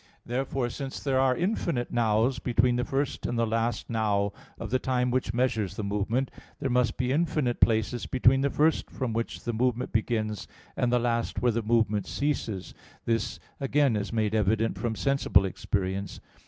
Therefore since there are infinite "nows" between the first and the last "now" of the time which measures the movement, there must be infinite places between the first from which the movement begins, and the last where the movement ceases. This again is made evident from sensible experience.